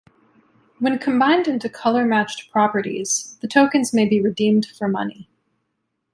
When combined into color-matched properties, the tokens may be redeemed for money.